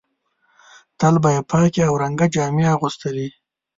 تل به یې پاکې او رنګه جامې اغوستلې.